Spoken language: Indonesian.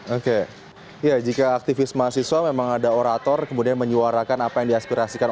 oke ya jika aktivis mahasiswa memang ada orator kemudian menyuarakan apa yang diaspirasikan